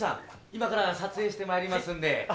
今から撮影してまいりますんで。